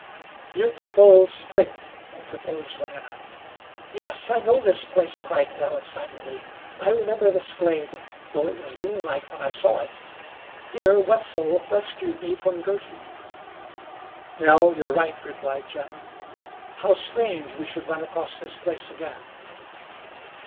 "Beautiful Spring," interposed Wingenund. "Yes, I know this place," cried Nell excitedly. "I remember this glade though it was moonlight when I saw it. Here Wetzel rescued me from Girty." "Nell, you're right," replied Jim. "How strange we should run across this place again."